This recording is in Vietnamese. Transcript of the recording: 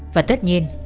và tất nhiên